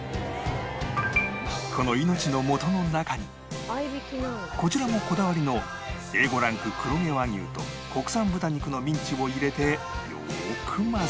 この命のもとの中にこちらもこだわりの Ａ５ ランク黒毛和牛と国産豚肉のミンチを入れてよーく混ぜると